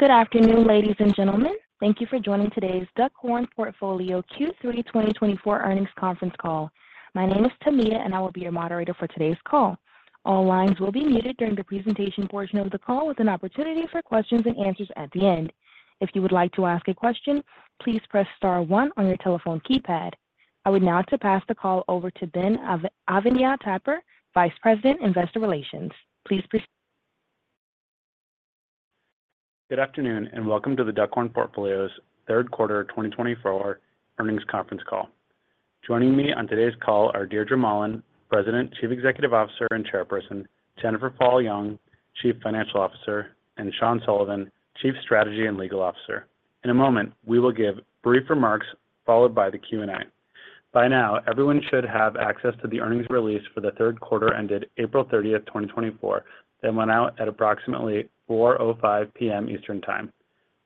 Good afternoon, ladies and gentlemen. Thank you for joining today's Duckhorn Portfolio Q3 2024 earnings conference call. My name is Tamia, and I will be your moderator for today's call. All lines will be muted during the presentation portion of the call, with an opportunity for questions and answers at the end. If you would like to ask a question, please press star one on your telephone keypad. I would now like to pass the call over to Ben Avenia-Tapper, Vice President, Investor Relations. Please proceed. Good afternoon, and welcome to the Duckhorn Portfolio's third quarter 2024 earnings conference call. Joining me on today's call are Deirdre Mahlan, President, Chief Executive Officer, and Chairperson. Jennifer Fall Jung, Chief Financial Officer, and Sean Sullivan, Chief Strategy and Legal Officer. In a moment, we will give brief remarks, followed by the Q&A. By now, everyone should have access to the earnings release for the third quarter ended April 30, 2024, that went out at approximately 4:05 P.M. Eastern Time.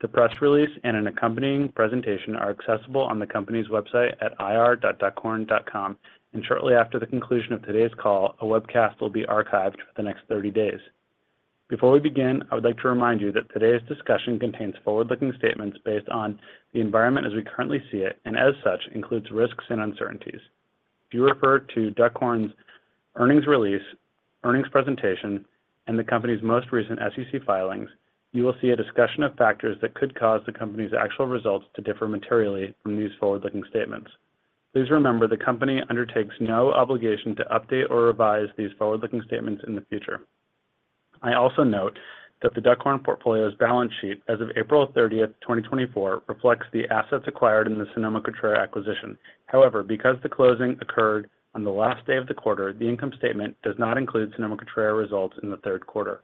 The press release and an accompanying presentation are accessible on the company's website at ir.duckhorn.com, and shortly after the conclusion of today's call, a webcast will be archived for the next 30 days. Before we begin, I would like to remind you that today's discussion contains forward-looking statements based on the environment as we currently see it, and as such, includes risks and uncertainties. If you refer to Duckhorn's earnings release, earnings presentation, and the company's most recent SEC filings, you will see a discussion of factors that could cause the company's actual results to differ materially from these forward-looking statements. Please remember, the company undertakes no obligation to update or revise these forward-looking statements in the future. I also note that the Duckhorn Portfolio's balance sheet as of April 30, 2024, reflects the assets acquired in the Sonoma-Cutrer acquisition. However, because the closing occurred on the last day of the quarter, the income statement does not include Sonoma-Cutrer results in the third quarter.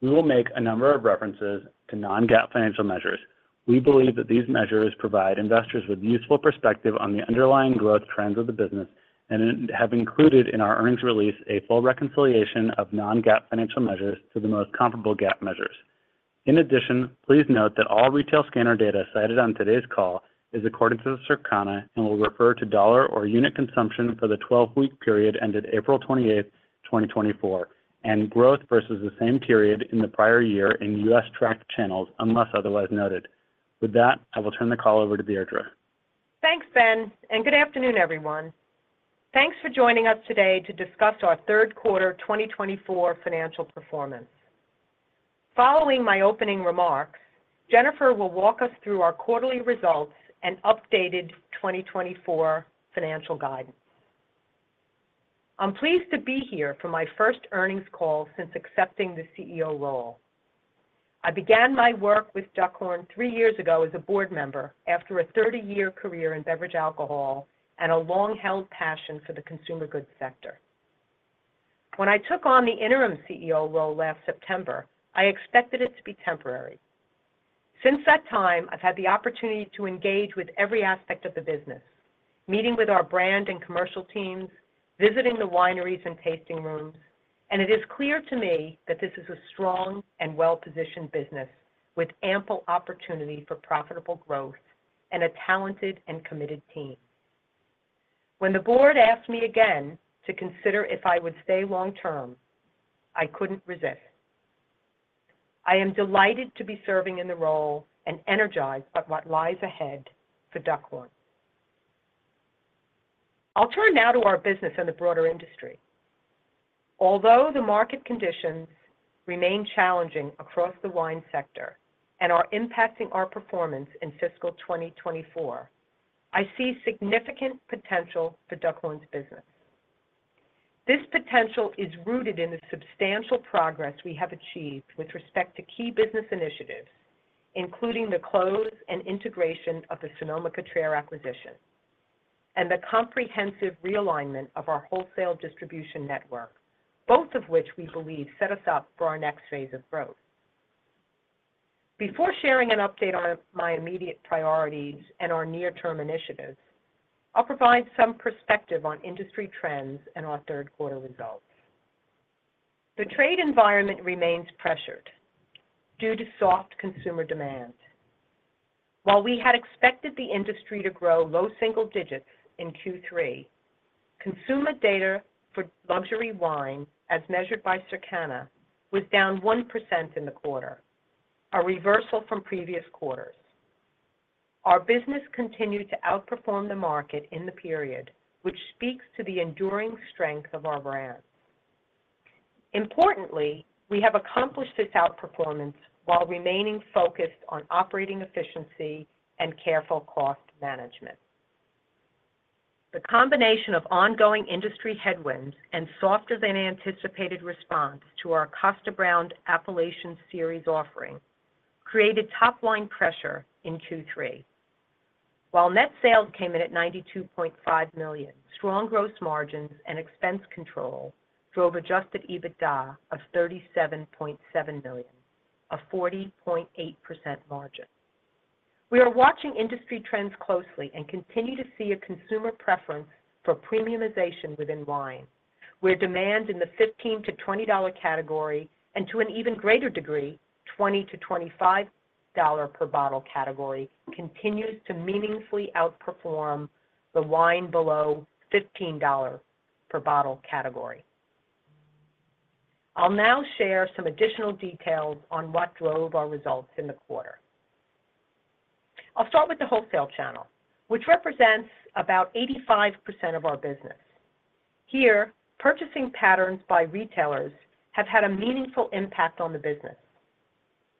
We will make a number of references to non-GAAP financial measures. We believe that these measures provide investors with useful perspective on the underlying growth trends of the business and have included in our earnings release a full reconciliation of non-GAAP financial measures to the most comparable GAAP measures. In addition, please note that all retail scanner data cited on today's call is according to Circana and will refer to dollar or unit consumption for the 12-week period ended April 28, 2024, and growth versus the same period in the prior year in U.S. tracked channels, unless otherwise noted. With that, I will turn the call over to Deirdre. Thanks, Ben, and good afternoon, everyone. Thanks for joining us today to discuss our third quarter 2024 financial performance. Following my opening remarks, Jennifer will walk us through our quarterly results and updated 2024 financial guidance. I'm pleased to be here for my first earnings call since accepting the CEO role. I began my work with Duckhorn 3 years ago as a board member after a 30-year career in beverage alcohol and a long-held passion for the consumer goods sector. When I took on the interim CEO role last September, I expected it to be temporary. Since that time, I've had the opportunity to engage with every aspect of the business, meeting with our brand and commercial teams, visiting the wineries and tasting rooms, and it is clear to me that this is a strong and well-positioned business with ample opportunity for profitable growth and a talented and committed team. When the board asked me again to consider if I would stay long term, I couldn't resist. I am delighted to be serving in the role and energized by what lies ahead for Duckhorn. I'll turn now to our business and the broader industry. Although the market conditions remain challenging across the wine sector and are impacting our performance in fiscal 2024, I see significant potential for Duckhorn's business. This potential is rooted in the substantial progress we have achieved with respect to key business initiatives, including the close and integration of the Sonoma-Cutrer acquisition and the comprehensive realignment of our wholesale distribution network, both of which we believe set us up for our next phase of growth. Before sharing an update on my immediate priorities and our near-term initiatives, I'll provide some perspective on industry trends and our third quarter results. The trade environment remains pressured due to soft consumer demand. While we had expected the industry to grow low single digits in Q3, consumer data for luxury wine, as measured by Circana, was down 1% in the quarter, a reversal from previous quarters. Our business continued to outperform the market in the period, which speaks to the enduring strength of our brand. Importantly, we have accomplished this outperformance while remaining focused on operating efficiency and careful cost management. The combination of ongoing industry headwinds and softer-than-anticipated response to our Kosta Browne Appellation Series offering created top-line pressure in Q3. While net sales came in at $92.5 million, strong gross margins and expense control drove Adjusted EBITDA of $37.7 million, a 40.8% margin. We are watching industry trends closely and continue to see a consumer preference for premiumization within wine, where demand in the $15-$20 category, and to an even greater degree, $20-$25 per bottle category, continues to meaningfully outperform the wine below $15 per bottle category.... I'll now share some additional details on what drove our results in the quarter. I'll start with the wholesale channel, which represents about 85% of our business. Here, purchasing patterns by retailers have had a meaningful impact on the business.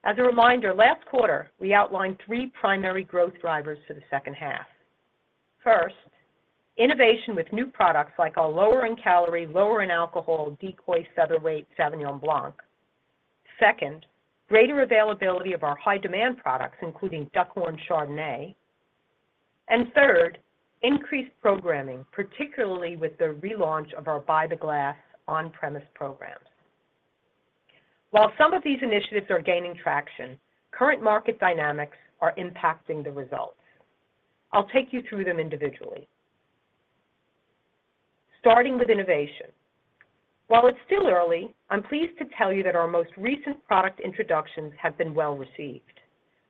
As a reminder, last quarter, we outlined three primary growth drivers for the second half. First, innovation with new products like our lower in calorie, lower in alcohol Decoy Featherweight Sauvignon Blanc. Second, greater availability of our high demand products, including Duckhorn Chardonnay. And third, increased programming, particularly with the relaunch of our by-the-glass on-premise programs. While some of these initiatives are gaining traction, current market dynamics are impacting the results. I'll take you through them individually. Starting with innovation. While it's still early, I'm pleased to tell you that our most recent product introductions have been well-received.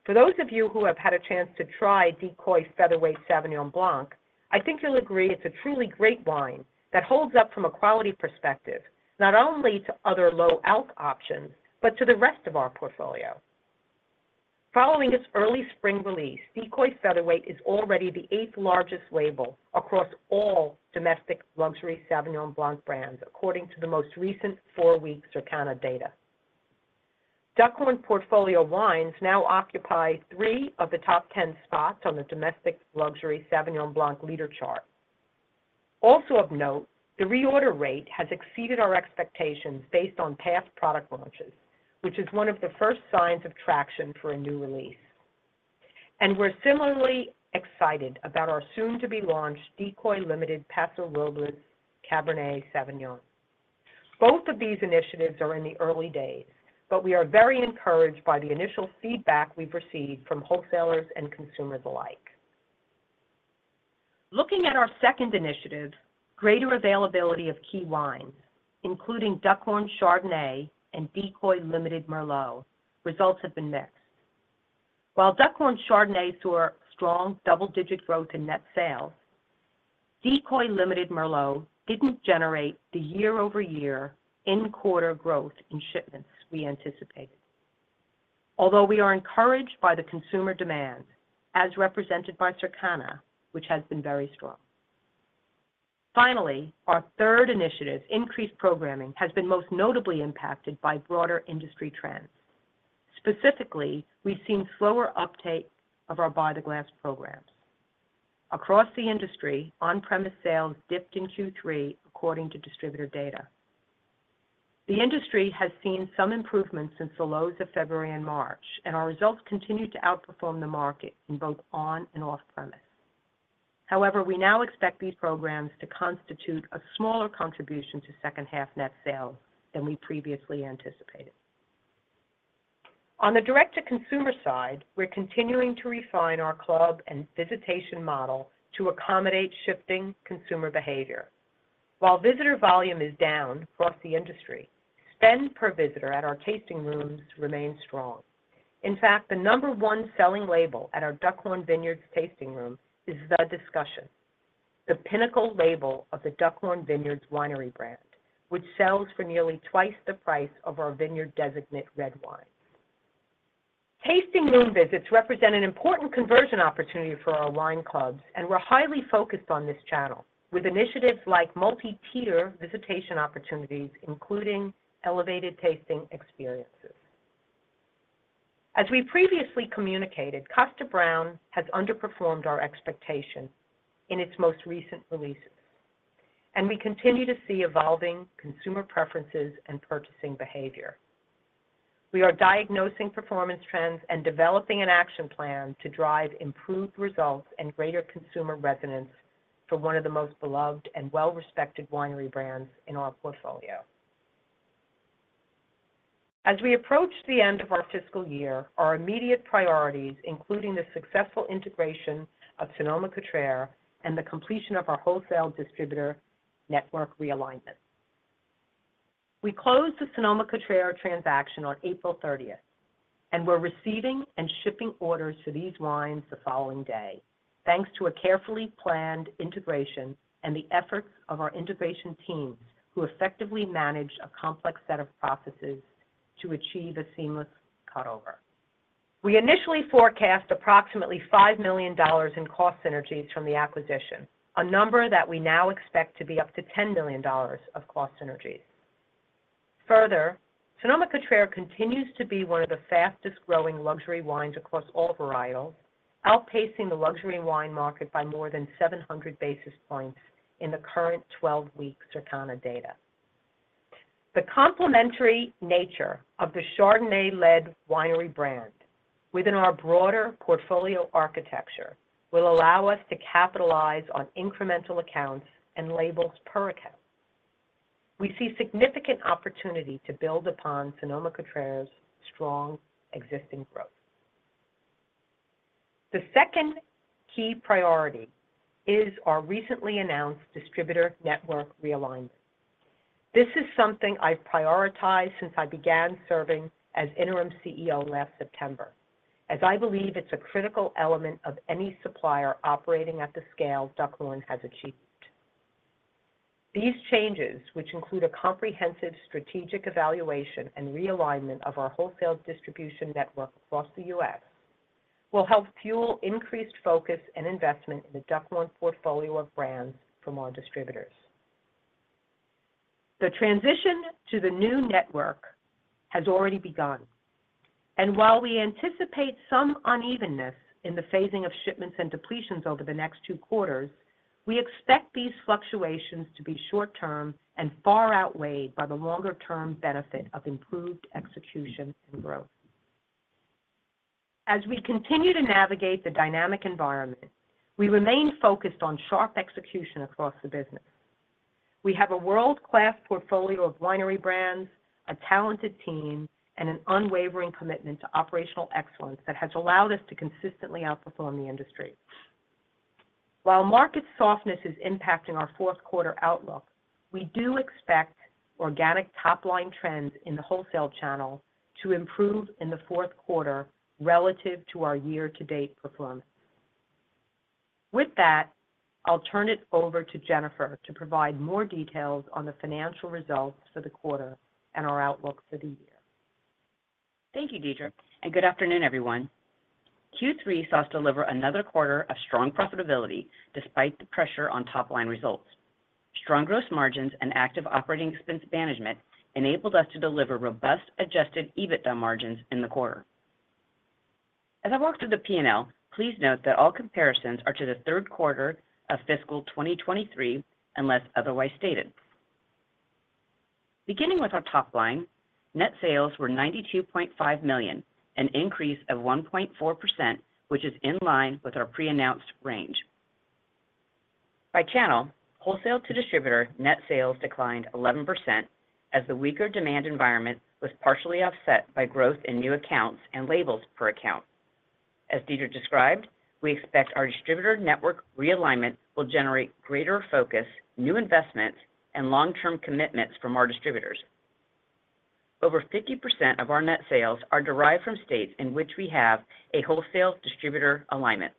For those of you who have had a chance to try Decoy Featherweight Sauvignon Blanc, I think you'll agree it's a truly great wine that holds up from a quality perspective, not only to other low-alc options, but to the rest of our portfolio. Following its early spring release, Decoy Featherweight is already the eighth largest label across all domestic luxury Sauvignon Blanc brands, according to the most recent four-week Circana data. Duckhorn Portfolio wines now occupy three of the top ten spots on the domestic luxury Sauvignon Blanc leader chart. Also of note, the reorder rate has exceeded our expectations based on past product launches, which is one of the first signs of traction for a new release. We're similarly excited about our soon-to-be-launched Decoy Limited Paso Robles Cabernet Sauvignon. Both of these initiatives are in the early days, but we are very encouraged by the initial feedback we've received from wholesalers and consumers alike. Looking at our second initiative, greater availability of key wines, including Duckhorn Chardonnay and Decoy Limited Merlot, results have been mixed. While Duckhorn Chardonnay saw strong double-digit growth in net sales, Decoy Limited Merlot didn't generate the year-over-year in-quarter growth in shipments we anticipated. Although we are encouraged by the consumer demand, as represented by Circana, which has been very strong. Finally, our third initiative, increased programming, has been most notably impacted by broader industry trends. Specifically, we've seen slower uptake of our by-the-glass programs. Across the industry, on-premise sales dipped in Q3, according to distributor data. The industry has seen some improvement since the lows of February and March, and our results continue to outperform the market in both on- and off-premise. However, we now expect these programs to constitute a smaller contribution to second-half net sales than we previously anticipated. On the direct-to-consumer side, we're continuing to refine our club and visitation model to accommodate shifting consumer behavior. While visitor volume is down across the industry, spend per visitor at our tasting rooms remains strong. In fact, the number one selling label at our Duckhorn Vineyards tasting room is The Discussion, the pinnacle label of the Duckhorn Vineyards winery brand, which sells for nearly twice the price of our vineyard designate red wine. Tasting room visits represent an important conversion opportunity for our wine clubs, and we're highly focused on this channel with initiatives like multi-tier visitation opportunities, including elevated tasting experiences. As we previously communicated, Kosta Browne has underperformed our expectations in its most recent releases, and we continue to see evolving consumer preferences and purchasing behavior. We are diagnosing performance trends and developing an action plan to drive improved results and greater consumer resonance for one of the most beloved and well-respected winery brands in our portfolio. As we approach the end of our fiscal year, our immediate priorities, including the successful integration of Sonoma-Cutrer and the completion of our wholesale distributor network realignment. We closed the Sonoma-Cutrer transaction on April thirtieth, and we're receiving and shipping orders for these wines the following day, thanks to a carefully planned integration and the efforts of our integration teams, who effectively managed a complex set of processes to achieve a seamless cutover. We initially forecast approximately $5 million in cost synergies from the acquisition, a number that we now expect to be up to $10 million of cost synergies. Further, Sonoma-Cutrer continues to be one of the fastest-growing luxury wines across all varietals, outpacing the luxury wine market by more than 700 basis points in the current 12-week Circana data. The complementary nature of the Chardonnay-led winery brand within our broader portfolio architecture will allow us to capitalize on incremental accounts and labels per account. We see significant opportunity to build upon Sonoma-Cutrer's strong existing growth. The second key priority is our recently announced distributor network realignment. This is something I've prioritized since I began serving as interim CEO last September... as I believe it's a critical element of any supplier operating at the scale Duckhorn has achieved. These changes, which include a comprehensive strategic evaluation and realignment of our wholesale distribution network across the U.S., will help fuel increased focus and investment in the Duckhorn portfolio of brands from our distributors. The transition to the new network has already begun, and while we anticipate some unevenness in the phasing of shipments and depletions over the next two quarters, we expect these fluctuations to be short-term and far outweighed by the longer-term benefit of improved execution and growth. As we continue to navigate the dynamic environment, we remain focused on sharp execution across the business. We have a world-class portfolio of winery brands, a talented team, and an unwavering commitment to operational excellence that has allowed us to consistently outperform the industry. While market softness is impacting our fourth quarter outlook, we do expect organic top-line trends in the wholesale channel to improve in the fourth quarter relative to our year-to-date performance. With that, I'll turn it over to Jennifer to provide more details on the financial results for the quarter and our outlook for the year. Thank you, Deirdre, and good afternoon, everyone. Q3 saw us deliver another quarter of strong profitability despite the pressure on top-line results. Strong gross margins and active operating expense management enabled us to deliver robust Adjusted EBITDA margins in the quarter. As I walk through the P&L, please note that all comparisons are to the third quarter of fiscal 2023, unless otherwise stated. Beginning with our top line, net sales were $92.5 million, an increase of 1.4%, which is in line with our pre-announced range. By channel, wholesale to distributor net sales declined 11%, as the weaker demand environment was partially offset by growth in new accounts and labels per account. As Deirdre described, we expect our distributor network realignment will generate greater focus, new investment, and long-term commitments from our distributors. Over 50% of our net sales are derived from states in which we have a wholesale distributor alignment.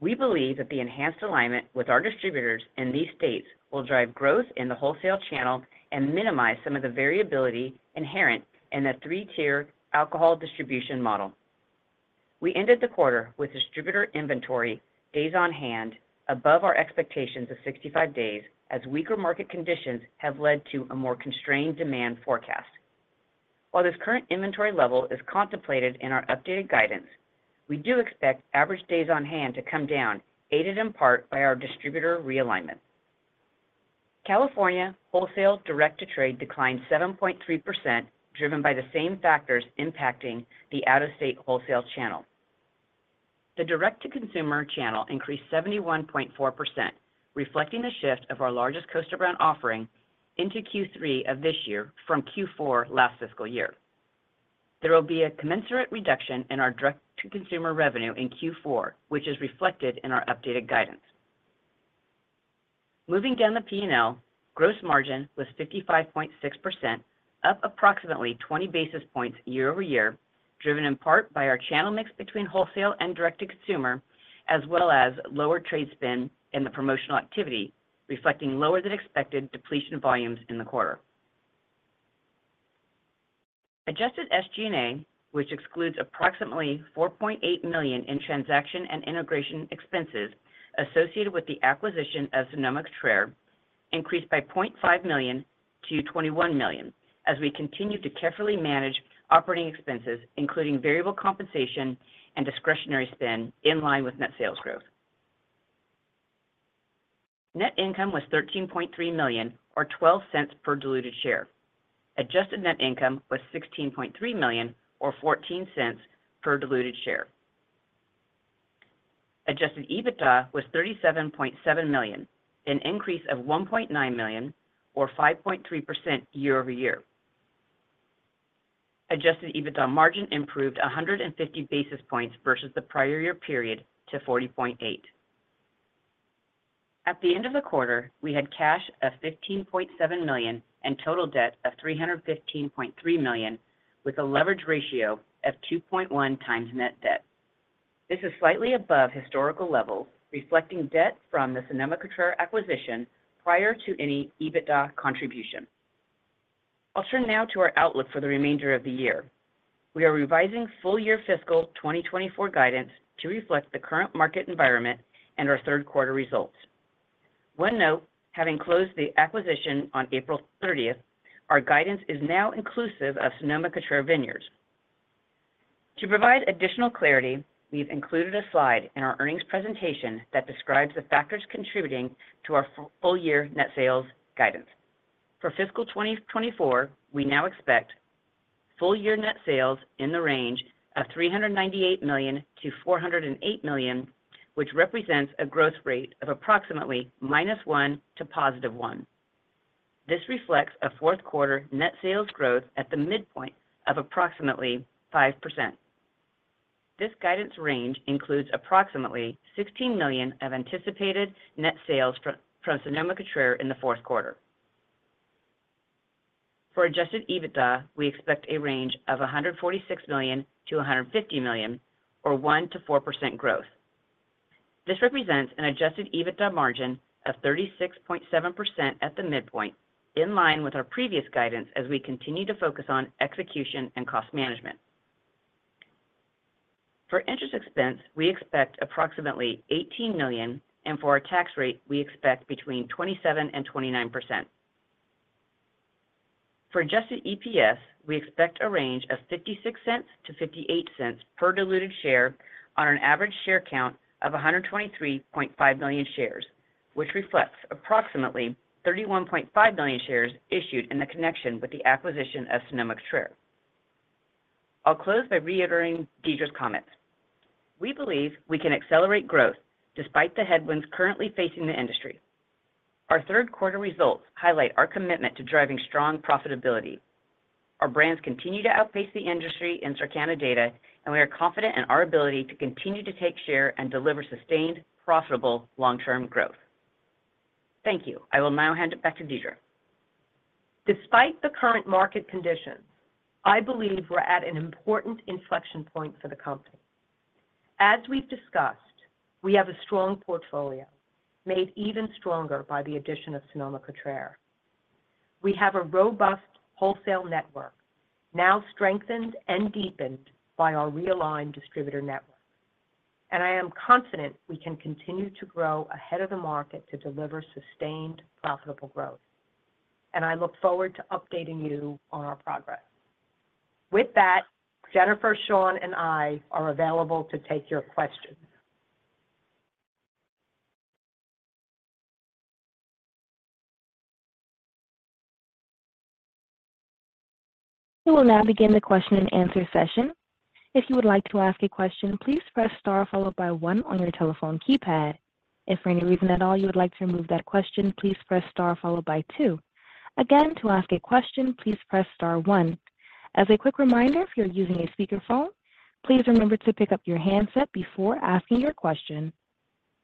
We believe that the enhanced alignment with our distributors in these states will drive growth in the wholesale channel and minimize some of the variability inherent in the three-tier alcohol distribution model. We ended the quarter with distributor inventory days on hand, above our expectations of 65 days, as weaker market conditions have led to a more constrained demand forecast. While this current inventory level is contemplated in our updated guidance, we do expect average days on hand to come down, aided in part by our distributor realignment. California wholesale direct-to-trade declined 7.3%, driven by the same factors impacting the out-of-state wholesale channel. The direct-to-consumer channel increased 71.4%, reflecting the shift of our largest Kosta Browne offering into Q3 of this year from Q4 last fiscal year. There will be a commensurate reduction in our direct-to-consumer revenue in Q4, which is reflected in our updated guidance. Moving down the P&L, gross margin was 55.6%, up approximately 20 basis points year-over-year, driven in part by our channel mix between wholesale and direct-to-consumer, as well as lower trade spend and the promotional activity, reflecting lower than expected depletion volumes in the quarter. Adjusted SG&A, which excludes approximately $4.8 million in transaction and integration expenses associated with the acquisition of Sonoma-Cutrer, increased by $0.5 million to $21 million as we continue to carefully manage operating expenses, including variable compensation and discretionary spend in line with net sales growth. Net income was $13.3 million, or $0.12 per diluted share. Adjusted net income was $16.3 million, or $0.14 per diluted share. Adjusted EBITDA was $37.7 million, an increase of $1.9 million, or 5.3% year-over-year. Adjusted EBITDA margin improved 150 basis points versus the prior year period to 40.8. At the end of the quarter, we had cash of $15.7 million and total debt of $315.3 million, with a leverage ratio of 2.1 times net debt. This is slightly above historical levels, reflecting debt from the Sonoma-Cutrer acquisition prior to any EBITDA contribution. I'll turn now to our outlook for the remainder of the year. We are revising full-year fiscal 2024 guidance to reflect the current market environment and our third quarter results. One note, having closed the acquisition on April 30, our guidance is now inclusive of Sonoma-Cutrer Vineyards. To provide additional clarity, we've included a slide in our earnings presentation that describes the factors contributing to our full-year net sales guidance. For fiscal 2024, we now expect full-year net sales in the range of $398 million-$408 million, which represents a growth rate of approximately -1% to +1%. This reflects a fourth quarter net sales growth at the midpoint of approximately 5%. This guidance range includes approximately $16 million of anticipated net sales from Sonoma-Cutrer in the fourth quarter. For Adjusted EBITDA, we expect a range of $146 million-$150 million, or 1%-4% growth. This represents an Adjusted EBITDA margin of 36.7% at the midpoint, in line with our previous guidance as we continue to focus on execution and cost management. For interest expense, we expect approximately $18 million, and for our tax rate, we expect between 27%-29%. For adjusted EPS, we expect a range of $0.56-$0.58 per diluted share on an average share count of 123.5 million shares, which reflects approximately 31.5 million shares issued in connection with the acquisition of Sonoma-Cutrer. I'll close by reiterating Deirdre's comments. We believe we can accelerate growth despite the headwinds currently facing the industry. Our third quarter results highlight our commitment to driving strong profitability. Our brands continue to outpace the industry in Circana data, and we are confident in our ability to continue to take share and deliver sustained, profitable, long-term growth. Thank you. I will now hand it back to Deirdre. Despite the current market conditions, I believe we're at an important inflection point for the company. As we've discussed, we have a strong portfolio, made even stronger by the addition of Sonoma-Cutrer. We have a robust wholesale network, now strengthened and deepened by our realigned distributor network, and I am confident we can continue to grow ahead of the market to deliver sustained, profitable growth, and I look forward to updating you on our progress. With that, Jennifer, Sean, and I are available to take your questions. We will now begin the question and answer session. If you would like to ask a question, please press star followed by one on your telephone keypad. If for any reason at all you would like to remove that question, please press star followed by two. Again, to ask a question, please press star one. As a quick reminder, if you're using a speakerphone, please remember to pick up your handset before asking your question.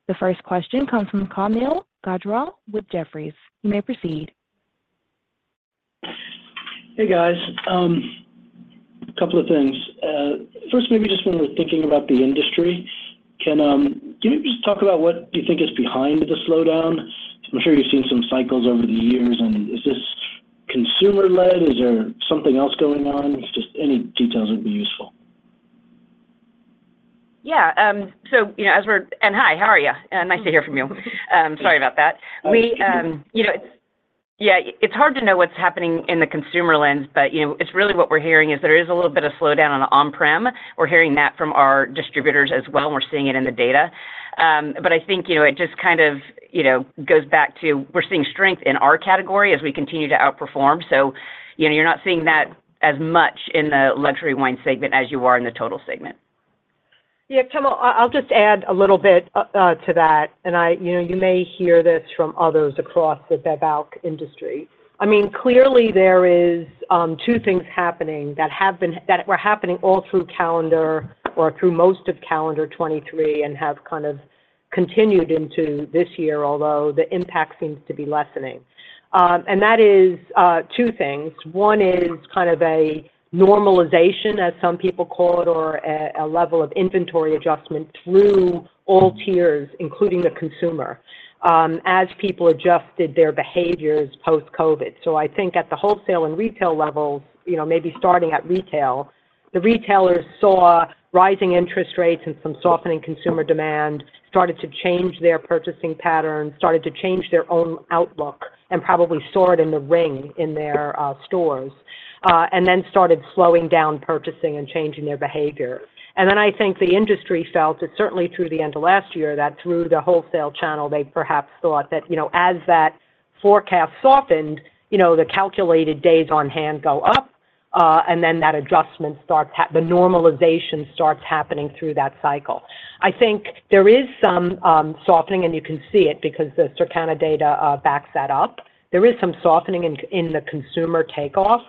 The first question comes from Kaumil Gajrawala with Jefferies. You may proceed. Hey, guys. A couple of things. First, maybe just when we're thinking about the industry, can you just talk about what you think is behind the slowdown? I'm sure you've seen some cycles over the years, and is this consumer-led? Is there something else going on? Just any details would be useful. Yeah, so, you know, And hi, how are you? Nice to hear from you. Sorry about that. We, you know... Yeah, it's hard to know what's happening in the consumer lens, but, you know, it's really what we're hearing is there is a little bit of slowdown on on-prem. We're hearing that from our distributors as well, and we're seeing it in the data. But I think, you know, it just kind of, you know, goes back to we're seeing strength in our category as we continue to outperform. So, you know, you're not seeing that as much in the luxury wine segment as you are in the total segment. Yeah, Kaumil, I'll just add a little bit to that, and I, you know, you may hear this from others across the beverage industry. I mean, clearly, there is two things happening that were happening all through calendar or through most of calendar 2023 and have kind of continued into this year, although the impact seems to be lessening. And that is two things. One is kind of a normalization, as some people call it, or a level of inventory adjustment through all tiers, including the consumer, as people adjusted their behaviors post-COVID. So I think at the wholesale and retail levels, you know, maybe starting at retail, the retailers saw rising interest rates and some softening consumer demand, started to change their purchasing patterns, started to change their own outlook, and probably saw it in the ring in their stores, and then started slowing down purchasing and changing their behavior. And then I think the industry felt it, certainly through the end of last year, that through the wholesale channel, they perhaps thought that, you know, as that forecast softened, you know, the calculated days on hand go up, and then the normalization starts happening through that cycle. I think there is some softening, and you can see it because the Circana data backs that up. There is some softening in the consumer takeoff.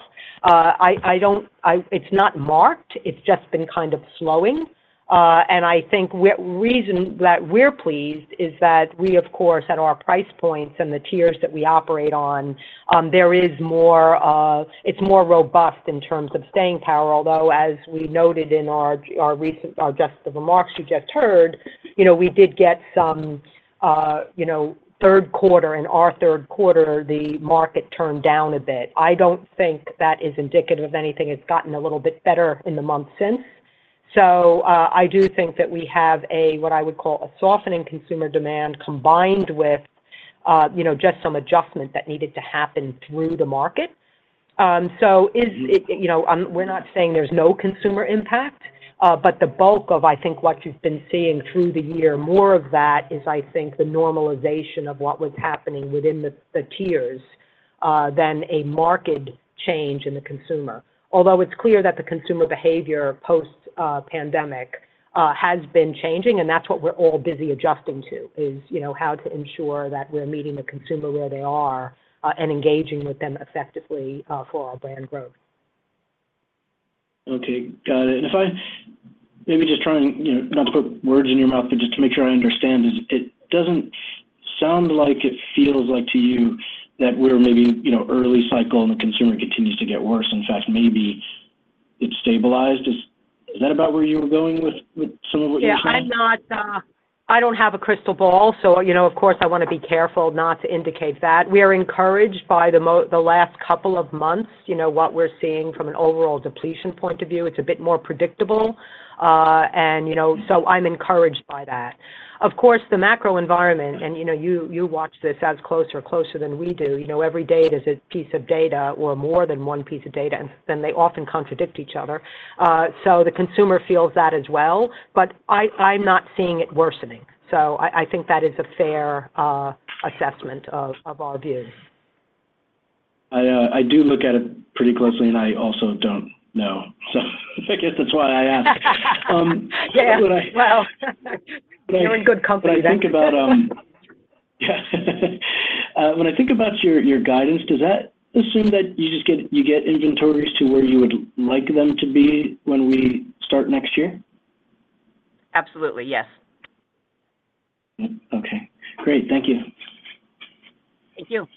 I don't— It's not marked, it's just been kind of slowing. And I think the reason that we're pleased is that we, of course, at our price points and the tiers that we operate on, there is more, it's more robust in terms of staying power, although, as we noted in our recent remarks, or just the remarks you just heard, you know, we did get some, you know, in our third quarter, the market turned down a bit. I don't think that is indicative of anything. It's gotten a little bit better in the months since. So, I do think that we have a, what I would call, a softening consumer demand, combined with, you know, just some adjustment that needed to happen through the market. So is it, you know, we're not saying there's no consumer impact, but the bulk of, I think, what you've been seeing through the year, more of that is, I think, the normalization of what was happening within the tiers, than a market change in the consumer. Although it's clear that the consumer behavior post-pandemic has been changing, and that's what we're all busy adjusting to, is, you know, how to ensure that we're meeting the consumer where they are, and engaging with them effectively, for our brand growth. ... Okay, got it. And if I maybe just trying, you know, not to put words in your mouth, but just to make sure I understand is, it doesn't sound like it feels like to you that we're maybe, you know, early cycle and the consumer continues to get worse. In fact, maybe it's stabilized. Is, is that about where you were going with, with some of what you're saying? Yeah, I'm not, I don't have a crystal ball, so, you know, of course, I wanna be careful not to indicate that. We are encouraged by the last couple of months, you know, what we're seeing from an overall depletion point of view, it's a bit more predictable, and, you know, so I'm encouraged by that. Of course, the macro environment, and, you know, you watch this as close or closer than we do. You know, every day there's a piece of data or more than one piece of data, and then they often contradict each other, so the consumer feels that as well, but I, I'm not seeing it worsening. So I, I think that is a fair assessment of our views. I, I do look at it pretty closely, and I also don't know. So I guess that's why I asked. Yeah. But I- Well, you're in good company then. But I think about, when I think about your, your guidance, does that assume that you just get, you get inventories to where you would like them to be when we start next year? Absolutely, yes. Okay, great. Thank you. Thank you.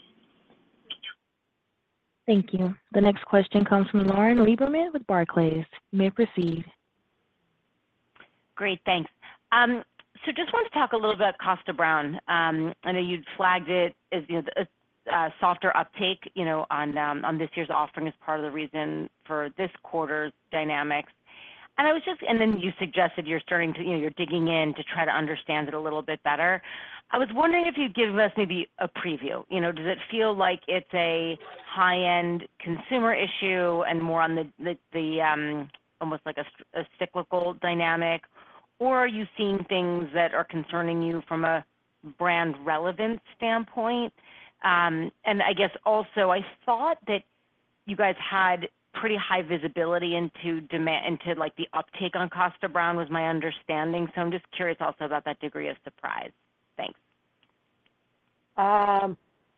Thank you. The next question comes from Lauren Lieberman with Barclays. You may proceed. Great, thanks. So just wanted to talk a little about Kosta Browne. I know you'd flagged it as, you know, a softer uptake, you know, on this year's offering as part of the reason for this quarter's dynamics. And then you suggested you're starting to, you know, you're digging in to try to understand it a little bit better. I was wondering if you'd give us maybe a preview. You know, does it feel like it's a high-end consumer issue and more on the almost like a cyclical dynamic? Or are you seeing things that are concerning you from a brand relevance standpoint? And I guess also, I thought that you guys had pretty high visibility into, like, the uptake on Kosta Browne, was my understanding. So I'm just curious also about that degree of surprise. Thanks.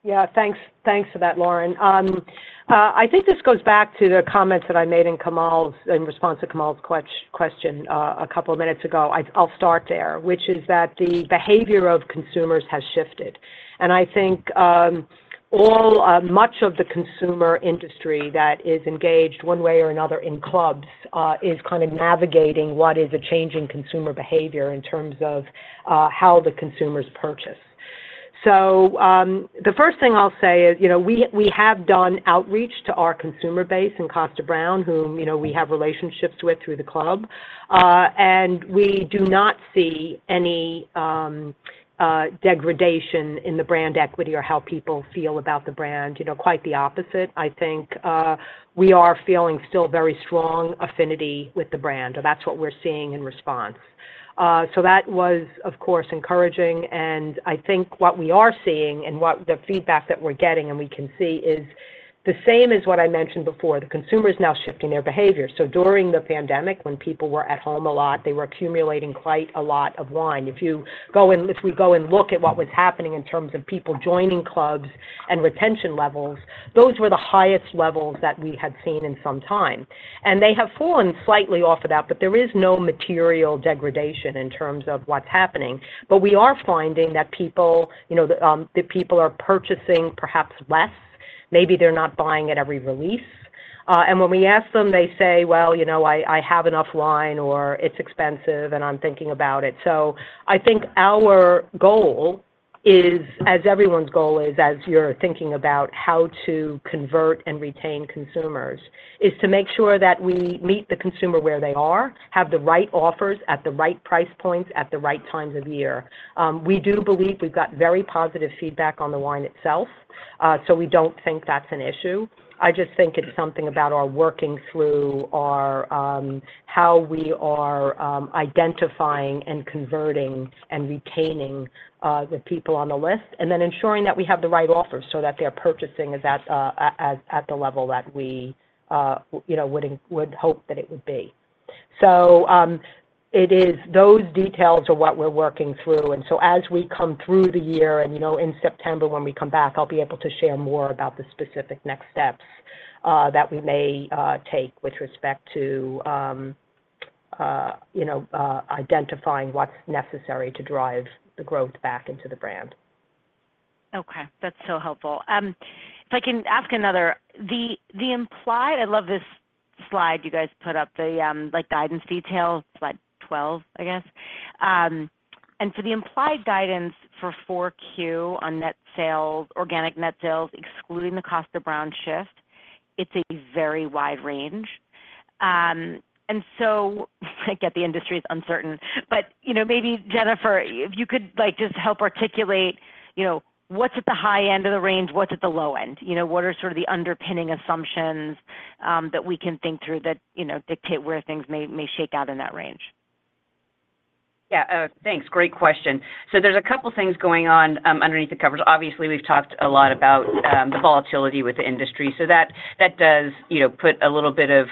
Yeah, thanks. Thanks for that, Lauren. I think this goes back to the comments that I made in response to Kaumil's question a couple of minutes ago. I'll start there, which is that the behavior of consumers has shifted. And I think all much of the consumer industry that is engaged, one way or another, in clubs is kind of navigating what is a change in consumer behavior in terms of how the consumers purchase. So, the first thing I'll say is, you know, we have done outreach to our consumer base in Kosta Browne, whom, you know, we have relationships with through the club, and we do not see any degradation in the brand equity or how people feel about the brand. You know, quite the opposite. I think, we are feeling still very strong affinity with the brand, or that's what we're seeing in response. So that was, of course, encouraging, and I think what we are seeing and what the feedback that we're getting, and we can see, is the same as what I mentioned before. The consumer is now shifting their behavior. So during the pandemic, when people were at home a lot, they were accumulating quite a lot of wine. If we go and look at what was happening in terms of people joining clubs and retention levels, those were the highest levels that we had seen in some time. And they have fallen slightly off of that, but there is no material degradation in terms of what's happening. But we are finding that people, you know, the people are purchasing perhaps less, maybe they're not buying at every release. And when we ask them, they say, "Well, you know, I, I have enough wine," or, "It's expensive, and I'm thinking about it." So I think our goal is, as everyone's goal is, as you're thinking about how to convert and retain consumers, is to make sure that we meet the consumer where they are, have the right offers at the right price points, at the right times of year. We do believe we've got very positive feedback on the wine itself, so we don't think that's an issue. I just think it's something about our working through our, how we are, identifying and converting and retaining, the people on the list, and then ensuring that we have the right offers so that their purchasing is at, at, at, the level that we, you know, would in-- would hope that it would be. So, it is those details are what we're working through, and so as we come through the year and, you know, in September when we come back, I'll be able to share more about the specific next steps, that we may, take with respect to, you know, identifying what's necessary to drive the growth back into the brand. Okay, that's so helpful. If I can ask another: The implied... I love this slide you guys put up, the, like, guidance detail, slide 12, I guess. And so the implied guidance for 4Q on net sales, organic net sales, excluding the Kosta Browne shift, it's a very wide range. And so I get the industry is uncertain, but, you know, maybe Jennifer, if you could, like, just help articulate, you know, what's at the high end of the range, what's at the low end? You know, what are sort of the underpinning assumptions, that we can think through that, you know, dictate where things may, may shake out in that range? Yeah, thanks. Great question. So there's a couple of things going on underneath the covers. Obviously, we've talked a lot about the volatility with the industry. So that does, you know, put a little bit of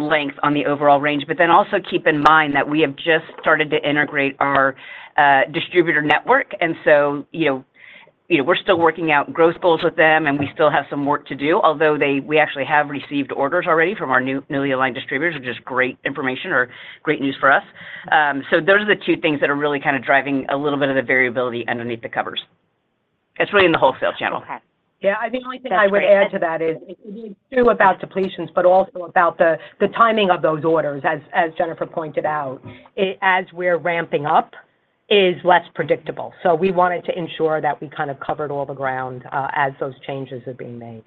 length on the overall range. But then also keep in mind that we have just started to integrate our distributor network, and so, you know- ... You know, we're still working out growth goals with them, and we still have some work to do. Although we actually have received orders already from our newly aligned distributors, which is great information or great news for us. So those are the two things that are really kind of driving a little bit of the variability underneath the covers. It's really in the wholesale channel. Okay. Yeah, I think the only thing I would add to that is, it is true about depletions, but also about the timing of those orders, as Jennifer pointed out, as we're ramping up, is less predictable. So we wanted to ensure that we kind of covered all the ground, as those changes are being made.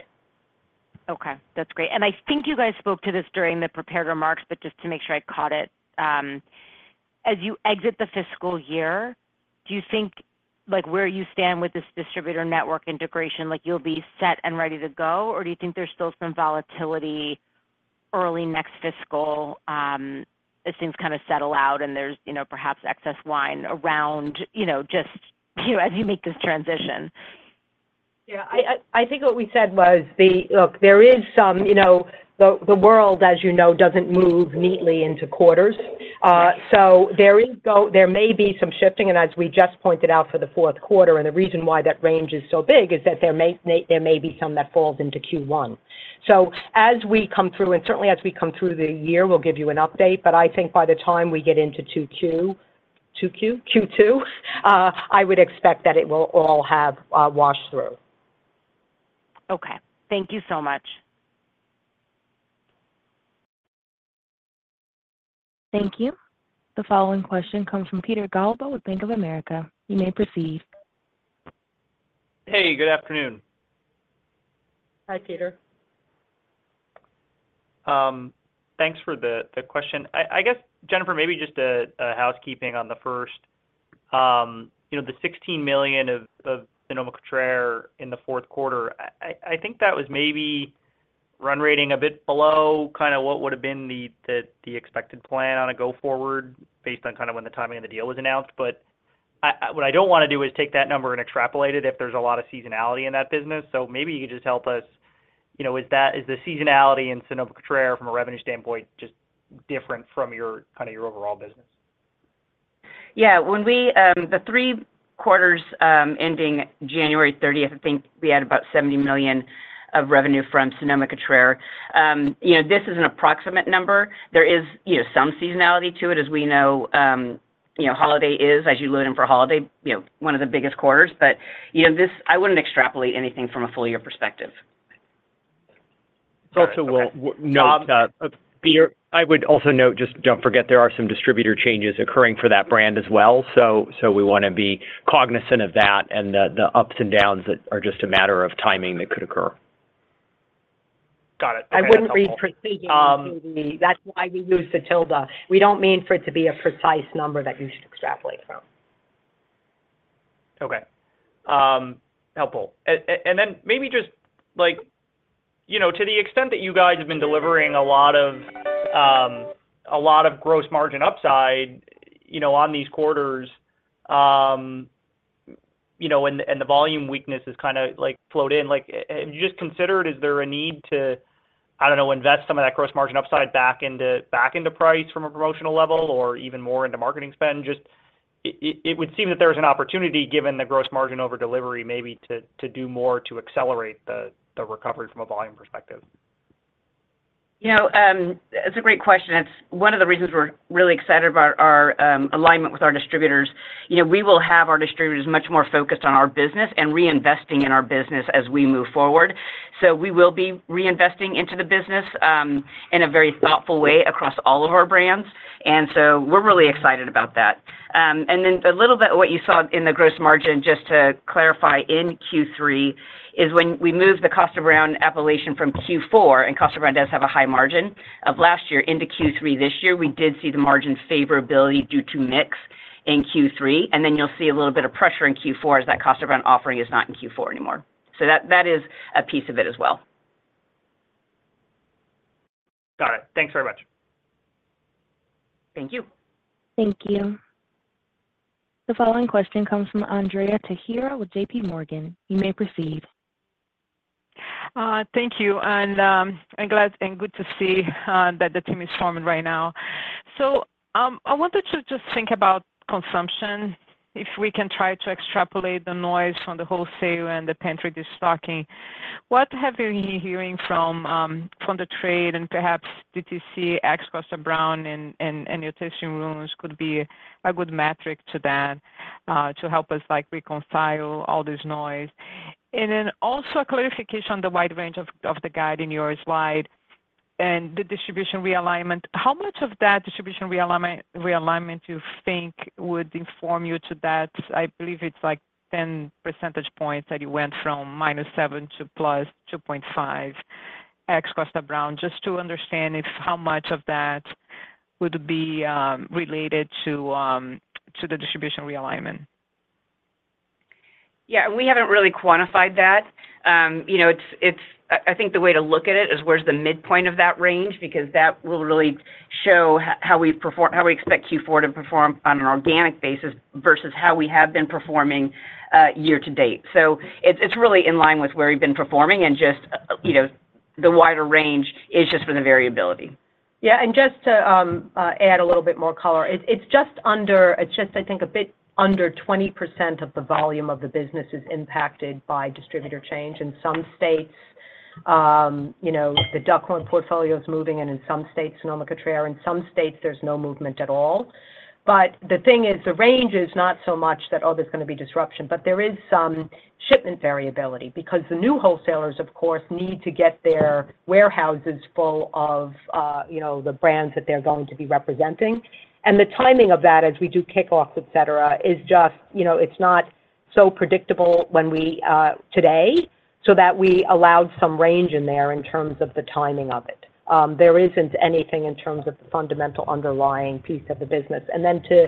Okay, that's great. And I think you guys spoke to this during the prepared remarks, but just to make sure I caught it. As you exit the fiscal year, do you think, like, where you stand with this distributor network integration, like, you'll be set and ready to go? Or do you think there's still some volatility early next fiscal, as things kind of settle out and there's, you know, perhaps excess wine around, you know, just, you know, as you make this transition? Yeah, I think what we said was the, look, there is some, you know, the world, as you know, doesn't move neatly into quarters. Right. So there may be some shifting, and as we just pointed out for the fourth quarter, and the reason why that range is so big is that there may be some that falls into Q1. So as we come through, and certainly as we come through the year, we'll give you an update, but I think by the time we get into Q2, I would expect that it will all have washed through. Okay. Thank you so much. Thank you. The following question comes from Peter Galbo with Bank of America. You may proceed. Hey, good afternoon. Hi, Peter. Thanks for the question. I guess, Jennifer, maybe just a housekeeping on the first. You know, the $16 million of Sonoma-Cutrer in the fourth quarter, I think that was maybe run rating a bit below kind of what would have been the expected plan on a go-forward, based on kind of when the timing of the deal was announced. But what I don't wanna do is take that number and extrapolate it if there's a lot of seasonality in that business. So maybe you could just help us, you know, is that-- is the seasonality in Sonoma-Cutrer from a revenue standpoint, just different from your kind of your overall business? Yeah, when we, the three quarters, ending January thirtieth, I think we had about $70 million of revenue from Sonoma-Cutrer. You know, this is an approximate number. There is, you know, some seasonality to it, as we know, you know, holiday is, as you load in for holiday, you know, one of the biggest quarters, but, you know, this. I wouldn't extrapolate anything from a full year perspective. All right. Okay. Also, we'll note, Peter, I would also note, just don't forget, there are some distributor changes occurring for that brand as well. So, we wanna be cognizant of that and the ups and downs that are just a matter of timing that could occur. Got it. I wouldn't read precisely. That's why we use the tilde. We don't mean for it to be a precise number that you should extrapolate from. Okay, helpful. And then maybe just like, you know, to the extent that you guys have been delivering a lot of, a lot of gross margin upside, you know, on these quarters, you know, and the volume weakness is kinda like float in, like, just considered, is there a need to, I don't know, invest some of that gross margin upside back into, back into price from a promotional level or even more into marketing spend? Just, it would seem that there's an opportunity, given the gross margin over delivery, maybe to do more to accelerate the recovery from a volume perspective. You know, it's a great question. It's one of the reasons we're really excited about our alignment with our distributors. You know, we will have our distributors much more focused on our business and reinvesting in our business as we move forward. So we will be reinvesting into the business in a very thoughtful way across all of our brands, and so we're really excited about that. And then the little bit of what you saw in the gross margin, just to clarify, in Q3, is when we moved the Kosta Browne Appellation from Q4, and Kosta Browne does have a high margin, of last year into Q3 this year, we did see the margin favorability due to mix in Q3, and then you'll see a little bit of pressure in Q4 as that Kosta Browne offering is not in Q4 anymore. So that is a piece of it as well. Got it. Thanks very much. Thank you. Thank you. The following question comes from Andrea Teixeira with JP Morgan. You may proceed. Thank you, and, I'm glad and good to see that the team is forming right now. So, I wanted to just think about consumption, if we can try to extrapolate the noise from the wholesale and the pantry restocking. What have you been hearing from the trade and perhaps DTC, ex Kosta Browne and your tasting rooms could be a good metric to that, to help us like reconcile all this noise? And then also a clarification on the wide range of the guide in your slide and the distribution realignment. How much of that distribution realignment you think would inform you to that? I believe it's like 10 percentage points that you went from -7 to +2.5, ex Kosta Browne, just to understand if how much of that would be related to the distribution realignment. Yeah, we haven't really quantified that. You know, I think the way to look at it is where's the midpoint of that range, because that will really show how we expect Q4 to perform on an organic basis versus how we have been performing year to date. So it's really in line with where we've been performing and just you know, the wider range is just for the variability.... Yeah, and just to add a little bit more color, it's just under, I think, a bit under 20% of the volume of the business is impacted by distributor change. In some states, you know, the Duckhorn Portfolio is moving in, in some states, Sonoma-Cutrer, in some states, there's no movement at all. But the thing is, the range is not so much that, oh, there's gonna be disruption, but there is some shipment variability because the new wholesalers, of course, need to get their warehouses full of, you know, the brands that they're going to be representing. And the timing of that as we do kickoffs, et cetera, is just, you know, it's not so predictable when we today, so that we allowed some range in there in terms of the timing of it. There isn't anything in terms of the fundamental underlying piece of the business. And then to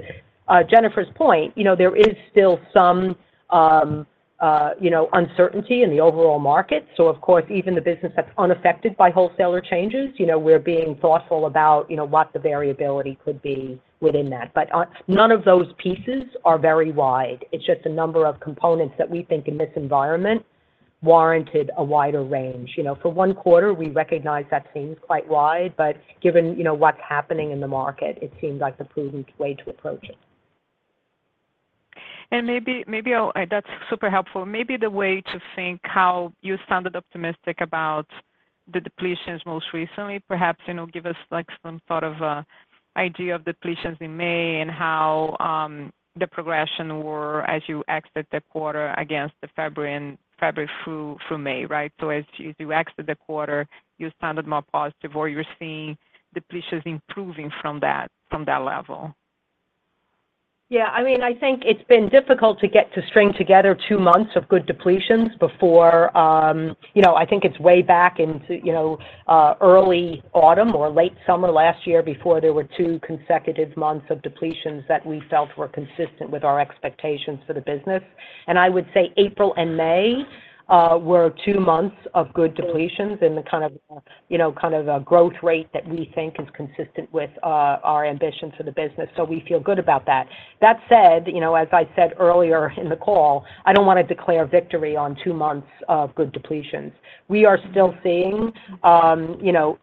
Jennifer's point, you know, there is still some, you know, uncertainty in the overall market. So of course, even the business that's unaffected by wholesaler changes, you know, we're being thoughtful about, you know, what the variability could be within that. But none of those pieces are very wide. It's just a number of components that we think in this environment warranted a wider range. You know, for one quarter, we recognize that seems quite wide, but given, you know, what's happening in the market, it seems like the prudent way to approach it. That's super helpful. Maybe the way to think how you sounded optimistic about the depletions most recently, perhaps, you know, give us, like, some sort of idea of depletions in May and how the progression were as you exit the quarter against the February and February through May, right? So as you exit the quarter, you sounded more positive, or you're seeing depletions improving from that, from that level. Yeah, I mean, I think it's been difficult to get to string together two months of good depletions before, you know, I think it's way back into, you know, early autumn or late summer last year, before there were two consecutive months of depletions that we felt were consistent with our expectations for the business. I would say April and May were two months of good depletions in the kind of, you know, kind of a growth rate that we think is consistent with our ambitions for the business, so we feel good about that. That said, you know, as I said earlier in the call, I don't wanna declare victory on two months of good depletions. We are still seeing, you know.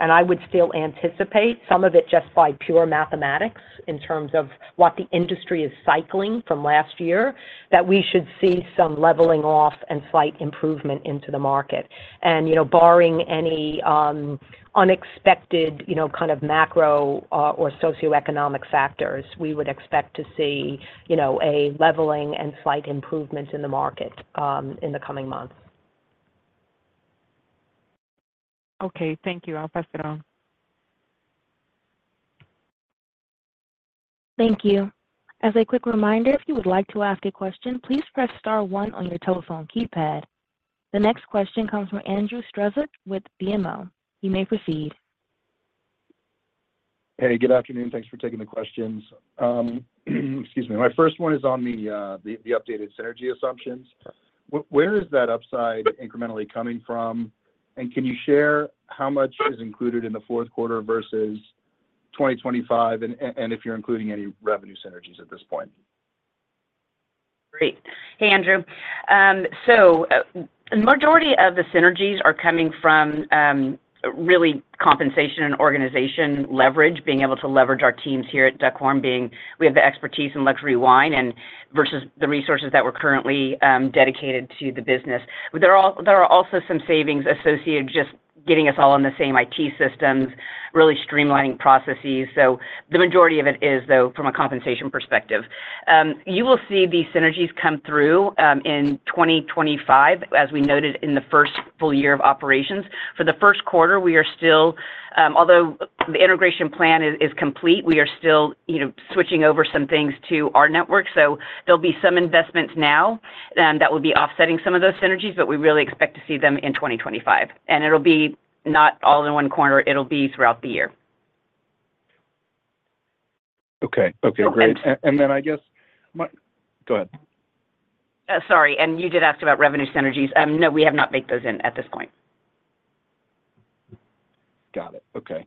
And I would still anticipate some of it just by pure mathematics in terms of what the industry is cycling from last year, that we should see some leveling off and slight improvement into the market. And, you know, barring any unexpected, you know, kind of macro or socioeconomic factors, we would expect to see, you know, a leveling and slight improvement in the market in the coming months. Okay, thank you. I'll pass it on. Thank you. As a quick reminder, if you would like to ask a question, please press star one on your telephone keypad. The next question comes from Andrew Strelzik with BMO. You may proceed. Hey, good afternoon. Thanks for taking the questions. Excuse me. My first one is on the updated synergy assumptions. Where is that upside incrementally coming from? And can you share how much is included in the fourth quarter versus 2025, and if you're including any revenue synergies at this point? Great. Hey, Andrew. So, majority of the synergies are coming from really compensation and organization leverage, being able to leverage our teams here at Duckhorn, being we have the expertise in luxury wine and versus the resources that were currently dedicated to the business. There are also some savings associated with just getting us all on the same IT systems, really streamlining processes. So the majority of it is, though, from a compensation perspective. You will see these synergies come through in 2025, as we noted in the first full year of operations. For the first quarter, we are still, although the integration plan is complete, we are still, you know, switching over some things to our network, so there'll be some investments now, that will be offsetting some of those synergies, but we really expect to see them in 2025, and it'll be not all in one corner, it'll be throughout the year. Okay. Okay, great. So and- And then I guess my... Go ahead. Sorry, you did ask about revenue synergies. No, we have not baked those in at this point. Got it. Okay.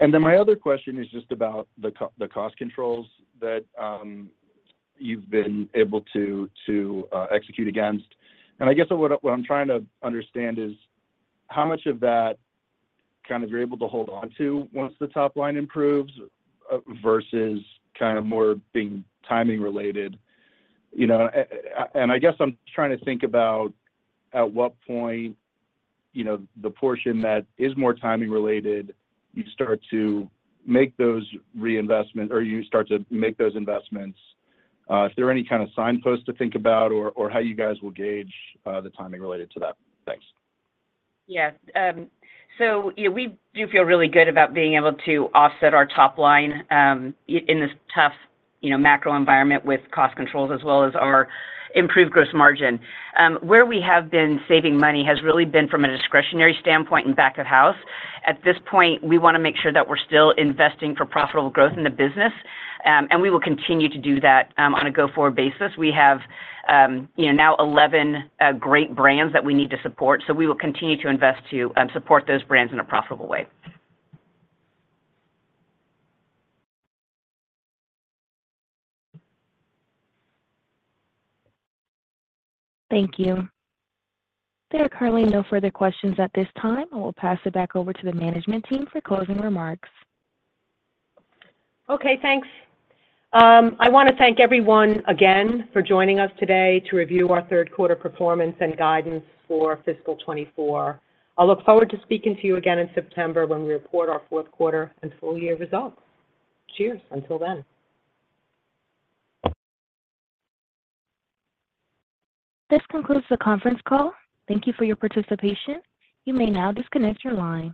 And then my other question is just about the cost controls that you've been able to execute against. And I guess what I'm trying to understand is, how much of that kind of you're able to hold on to once the top line improves versus kind of more being timing related? You know, and I guess I'm trying to think about at what point, you know, the portion that is more timing related, you start to make those reinvestment, or you start to make those investments. If there are any kind of signposts to think about or how you guys will gauge the timing related to that. Thanks. Yeah. So yeah, we do feel really good about being able to offset our top line, in this tough, you know, macro environment with cost controls as well as our improved gross margin. Where we have been saving money has really been from a discretionary standpoint in back of house. At this point, we wanna make sure that we're still investing for profitable growth in the business, and we will continue to do that, on a go-forward basis. We have, you know, now 11 great brands that we need to support, so we will continue to invest to support those brands in a profitable way. Thank you. There are currently no further questions at this time. I will pass it back over to the management team for closing remarks. Okay, thanks. I wanna thank everyone again for joining us today to review our third quarter performance and guidance for fiscal 2024. I look forward to speaking to you again in September when we report our fourth quarter and full year results. Cheers, until then. This concludes the conference call. Thank you for your participation. You may now disconnect your line.